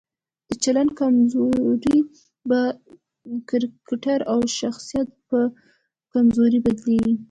د چلند کمزوري په کرکټر او شخصیت په کمزورۍ بدليږي.